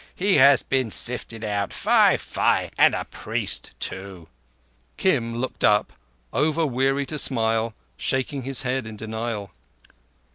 He has been sifted out! Fie! Fie! And a priest, too!" Kim looked up, over weary to smile, shaking his head in denial.